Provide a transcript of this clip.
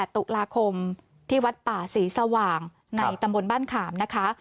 ตุลาคมที่วัดป่าศรีสว่างในตำบลบ้านขามนะคะ